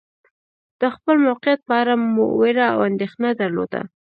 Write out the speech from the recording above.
د خپل موقعیت په اړه مو وېره او اندېښنه درلوده.